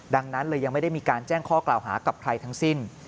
ดังนั้นเลยยังไม่ได้มีการแจ้งข้อกล่าวหากับใครทั้งสิ้น